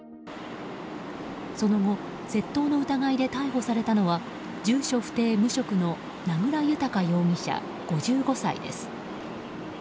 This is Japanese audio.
その後、窃盗の疑いで逮捕されたのは住所不定・無職の名倉豊容疑者５５歳です。